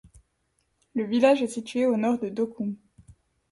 Le village est situé au nord de Dokkum.